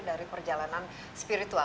dari perjalanan spiritual